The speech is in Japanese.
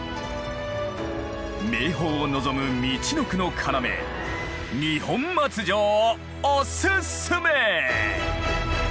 名峰を望むみちのくの要二本松城をおススメ！